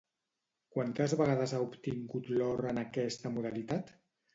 Quantes vegades ha obtingut l'or en aquesta modalitat?